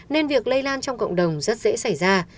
nên việc lây lan trong cộng đồng rất dễ xảy ra